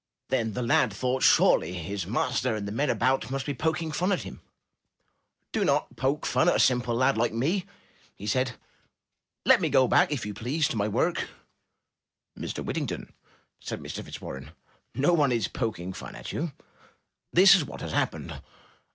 Then the lad thought surely his master and the men about must be poking fun at him. ''Do not poke fun at a simple lad like me/' he said. ''Let me go back, if you please, to my work.'' "Mr. Whittington," said Mr. Fitzwarren, "no one is poking fun at you. This is what has happened.